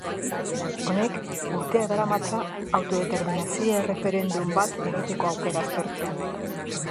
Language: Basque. Honek urteak daramatza autodeterminazio erreferendum bat egiteko aukera aztertzen.